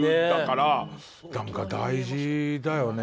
何か大事だよね